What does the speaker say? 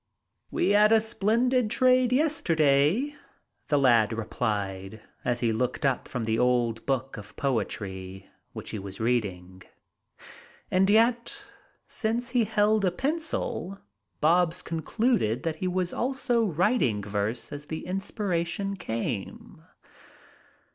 "We had a splendid trade yesterday," the lad replied, as he looked up from the old book of poetry which he was reading. And yet, since he held a pencil, Bobs concluded that he was also writing verse as the inspiration came.